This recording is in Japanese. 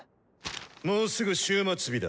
もうすぐ終末日だ。